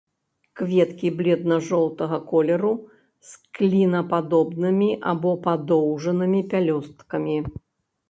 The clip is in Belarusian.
Кветкі бледна-жоўтага колеру, з клінападобнымі або падоўжанымі пялёсткамі.